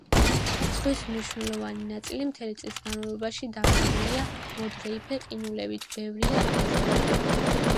ზღვის მნიშვნელოვანი ნაწილი მთელი წლის განმავლობაში დაფარულია მოდრეიფე ყინულებით, ბევრია აისბერგი.